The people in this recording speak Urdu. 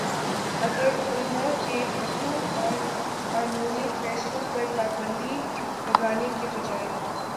اگر علما کے فتووں اور قانونی فیصلوں پر پابندی لگانے کے بجائے